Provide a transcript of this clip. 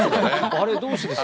あれ、どうしてですか？